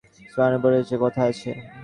ললিতা কহিল, তোমার সঙ্গে পানুবাবুর যে কথা আছে!